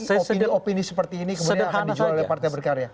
tapi opini opini seperti ini kemudian akan dijual oleh partai berkarya